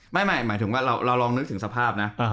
หมายถึงว่าเราลองนึกถึงสภาพนะ